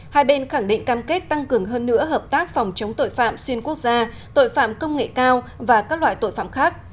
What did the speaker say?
hai bên khẳng định cam kết tăng cường hơn nữa hợp tác phòng chống tội phạm xuyên quốc gia tội phạm công nghệ cao và các loại tội phạm khác